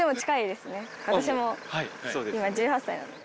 私も今１８歳なので。